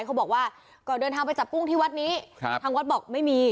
เขาบอกว่าก่อนเดินทางไปจับกุ้งที่วัดนี้ครับทางวัดบอกไม่มี